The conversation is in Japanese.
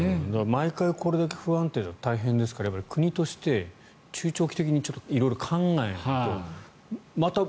毎回これだけ不安定だと大変ですから国として中長期的にちょっと色々考えないとまた。